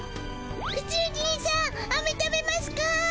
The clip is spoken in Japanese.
うちゅう人さんあめ食べますか？